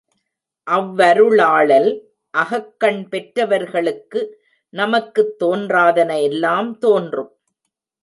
அவ்வருளாளல் அகக்கண் பெற்றவர்களுக்கு நமக்குத் தோன்றாதன எல்லாம் தோன்றும்.